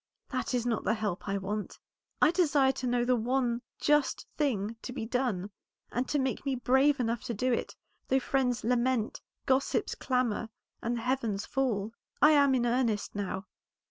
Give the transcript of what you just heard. That is not the help I want. I desire to know the one just thing to be done, and to be made brave enough to do it, though friends lament, gossips clamor, and the heavens fall. I am in earnest now.